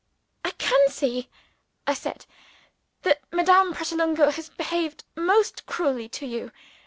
"I can see," I said, "that Madame Pratolungo has behaved most cruelly to you.